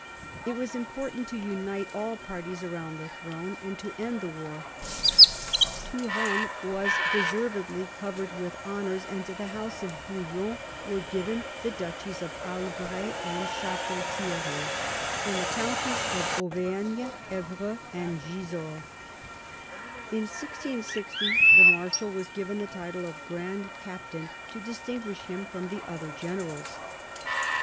It was important to unite all parties round the throne and to end the war. Turenne was deservedly covered with honours, and to the house of Bouillon were given the duchies of Albret and Chateau Thierry, and the counties of Auvergne, Evreux, and Gisors. In 1660 the marshal was given the title of grand captain to distinguish him from the other generals.